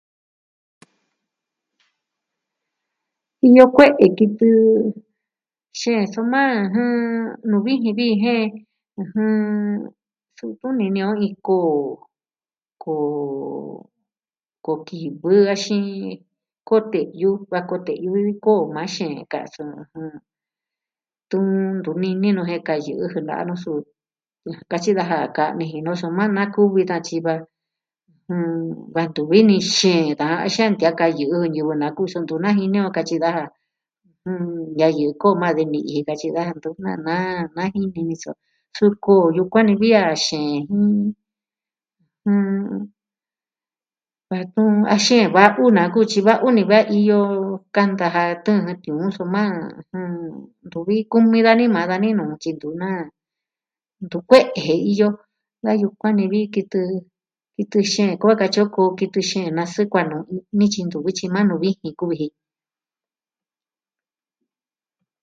Iñɨ kue'e kitɨ xeen soma nuu viji vi jen, suku nini o iin koo, iin koo, koo... koo kivɨ axin koo teyu vi vi koo maaa xen kasɨ. Tun tunini nuu jen kayɨ jɨ na'nu suu. katyi daja kaa nijin nuu soma na kuvi tatyi va. Va tun vi ni xeen daa axin tiaka yɨɨ ñivɨ nakusu ntu na jini o katyi daja. yayɨ koo maa de ni'i katyi daja tun na naa na jini ni soo suku yukuan ni vi a xeen. Vatu a xeen va una kutyi va uni va iyo. Kanta ja tɨɨn jɨ tiuun soma. Ntuvi kumi dani maa dani nuu tyi ntu naa. Ntu kue'e iyo. na yukuan ni vi kitɨ. Kitɨ xeen koo a katyi o ku kitɨ xeen. Na sukuan nu nityi ntu vityi ma nuu vi ji kuvi ji.